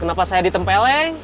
kenapa saya ditempeleng